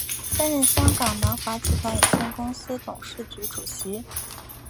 担任香港南华集团有限公司董事局主席。